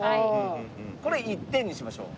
これ１点にしましょう。